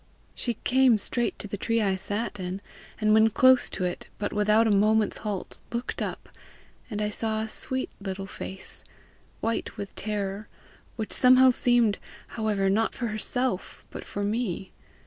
She came straight to the tree I sat in, and when close to it, but without a moment's halt, looked up, and I saw a sweet little face, white with terror which somehow seemed, however, not for herself, but for me.